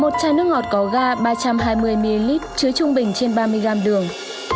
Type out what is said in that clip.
một chai nước ngọt có ga ba trăm hai mươi ml chứa trung bình trên ba mươi gram đường